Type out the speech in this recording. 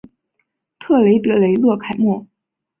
特雷德雷洛凯莫。